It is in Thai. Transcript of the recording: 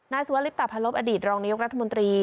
นาศวรรษลิปตะพะลบอดีตรองนายุครัฐมนตรี